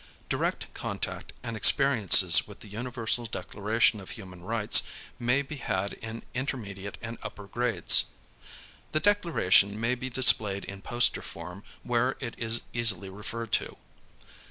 Direct contact and experiences with the Universal Declaration of Human Rights may be had in intermediate and upper grades. The Declaration may be displayed in poster form where it is easily referred to.